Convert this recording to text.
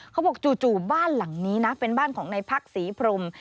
เขาบอกจู่บ้านหลังนี้นะเป็นบ้านของในพักศรีพรม